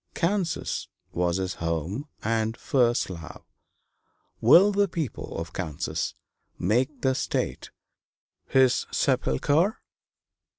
Kansas was his home and first love; will the people of Kansas make the state his sepulchre?